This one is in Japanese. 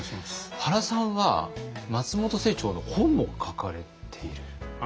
原さんは松本清張の本も書かれている？